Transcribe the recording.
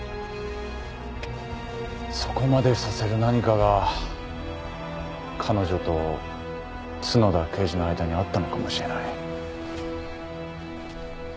そこまでさせる何かが彼女と角田刑事の間にあったのかもしれない。